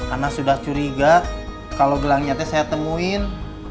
anah sudah curiga kalau gelang nyate saya temuin